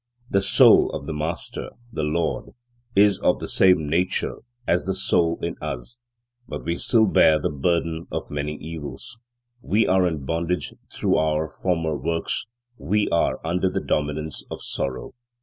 The Soul of the Master, the Lord, is of the same nature as the soul in us; but we still bear the burden of many evils, we are in bondage through our former works, we are under the dominance of sorrow.